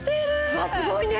うわっすごいね！